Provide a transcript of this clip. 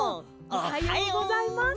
おはようございます。